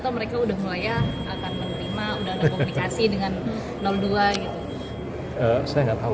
atau mereka udah mulai ya akan menerima udah ada komunikasi dengan dua gitu